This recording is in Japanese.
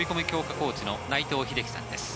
コーチの内藤英樹さんです。